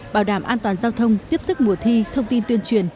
bảo đảm an toàn giao thông tiếp sức mùa thi thông tin tuyên truyền